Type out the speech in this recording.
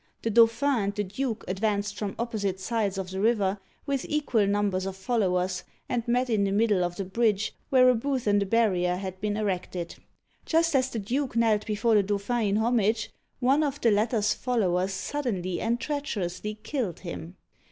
The Dauphin and the duke advanced from opposite sides Digitized by Google CHARLES VI. (1380 1422) 183 of the river, with equal numbers of followers, and met in the middle of the bridge, where a booth and barrier had been erected. Just as the duke knelt before the Dauphin in homage, one of the latter's followers suddenly and treacherously killed him.